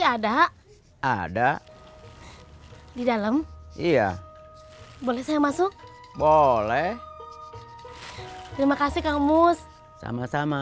ada ada di dalam iya boleh saya masuk boleh terima kasih kamu sama sama